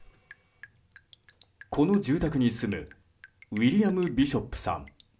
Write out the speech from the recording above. この住宅に住むウィリアム・ビショップさん